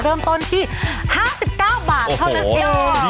เริ่มต้นที่๕๙บาทเท่านั้นเอง